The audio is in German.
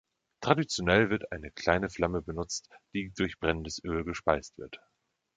Traditionell wird eine kleine Flamme benutzt, die durch brennendes Öl gespeist wird.